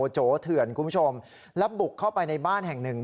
โจเถื่อนคุณผู้ชมแล้วบุกเข้าไปในบ้านแห่งหนึ่ง